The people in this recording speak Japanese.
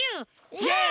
イエーイ！